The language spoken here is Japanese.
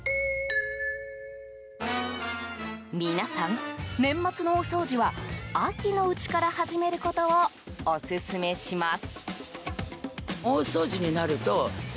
皆さん、年末の大掃除は秋のうちから始めることをオススメします。